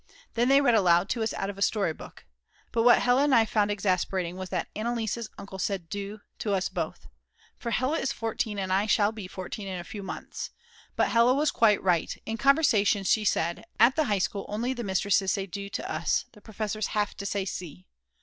Then they read aloud to us out of a story book. But what Hella and I found exasperating was that Anneliese's uncle said "Du" to us both. For Hella is 14, and I shall be 14 in a few months. But Hella was quite right; in conversation she said: "At the High School only the mistresses say Du to us, the professors have to say Sie."